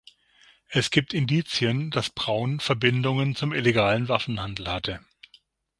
Es gibt Indizien, dass Praun Verbindungen zum illegalen Waffenhandel hatte.